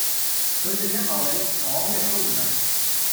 佢正一茂里，講極都唔明